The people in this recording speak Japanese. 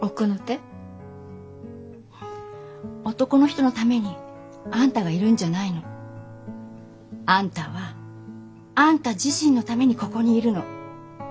男の人のためにあんたがいるんじゃないの。あんたはあんた自身のためにここにいるの。